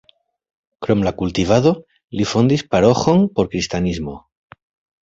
Krom la kultivado li fondis paroĥon por kristanismo.